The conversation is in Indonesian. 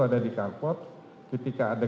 ada di kalpot ketika ada